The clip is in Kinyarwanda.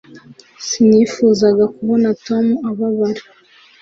sinifuzaga kubona tom ababara